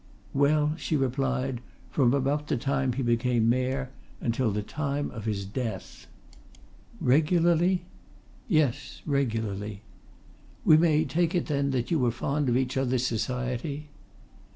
"Well," she replied, "from about the time he became Mayor until the time of his death." "Regularly?" "Yes regularly." "We may take it, then, that you were fond of each other's society?"